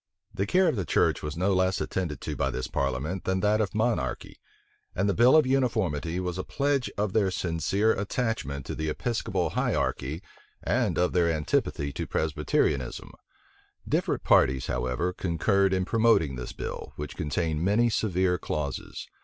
{1662.} The care of the church was no less attended to by this parliament than that of monarchy; and the bill of uniformity was a pledge of their sincere attachment to the Episcopal hierarchy, and of their antipathy to Presbyterianism, Different parties, however, concurred in promoting this bill, which contained many severe clauses.